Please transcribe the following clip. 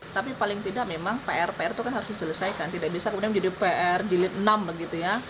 tapi paling tidak memang pr pr itu kan harus diselesaikan tidak bisa kemudian menjadi pr jilid enam begitu ya